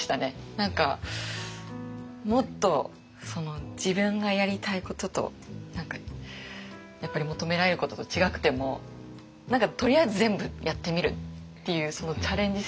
何かもっと自分がやりたいこととやっぱり求められることと違くても何かとりあえず全部やってみるっていうそのチャレンジ